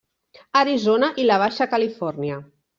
Arizona i la Baixa Califòrnia.